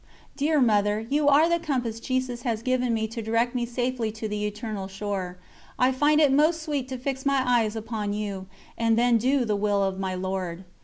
Dear Mother, you are the compass Jesus has given me to direct me safely to the Eternal Shore. I find it most sweet to fix my eyes upon you, and then do the Will of my Lord.